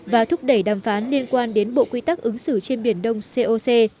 và thúc đẩy đàm phán liên quan đến bộ quy tắc ứng xử trên biển đông coc